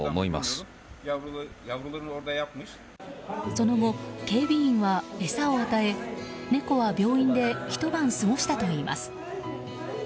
その後、警備員は餌を与え猫は病院でひと晩過ごしたといいます。